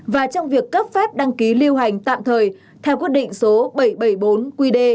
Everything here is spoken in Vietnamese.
và trong việc cấp phép đăng ký lưu hành tạm thời theo quyết định số bảy trăm bảy mươi bốn qd